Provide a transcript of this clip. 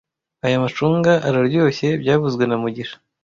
Aya macunga araryoshye byavuzwe na mugisha